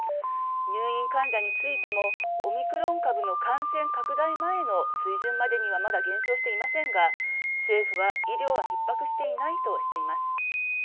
入院患者についても、オミクロン株の感染拡大前の水準までにはまだ減少していませんが、政府は医療はひっ迫していないとしています。